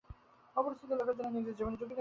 অপরিচিত লোকের জন্যে নিজের জীবনের ঝুঁকি নেবে?